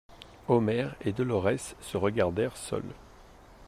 Omer et Dolorès se regardèrent seuls.